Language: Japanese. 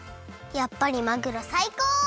やっぱりまぐろさいこう！